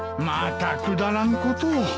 またくだらんことを。